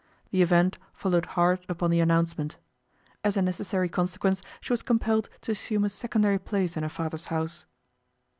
The event followed hard upon the announcement. As a necessary consequence she was compelled to assume a secondary place in her father's house.